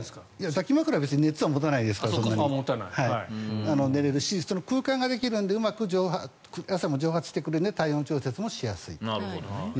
抱き枕は別に熱は持たないですから寝れるし空間ができるのでうまく汗も蒸発してくれるので体温調節もしやすいと。